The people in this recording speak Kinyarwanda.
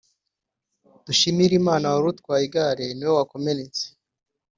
Dushimirimana wari utwaye igare ni we wakomeretse